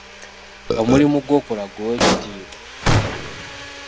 Omulimu gw'okola guwe ekitiibwa.